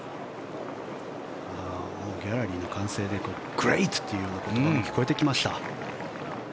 ギャラリーの歓声でグレートという言葉が聞こえてきました。